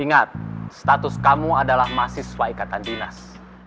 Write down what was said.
ingat status kamu adalah mahasiswa ikatan dinas